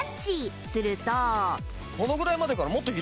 すると